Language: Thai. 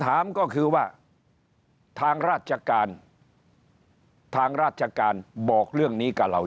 ถามก็คือว่าทางราชการทางราชการบอกเรื่องนี้กับเรา